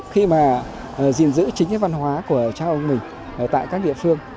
giữ gìn giữ chính cái văn hóa của cháu ông mình tại các địa phương